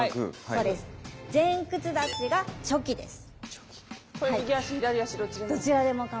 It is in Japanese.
そうです。